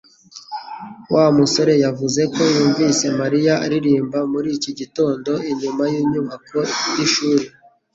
Wa musore yavuze ko yumvise Mariya aririmba muri iki gitondo inyuma yinyubako yishuri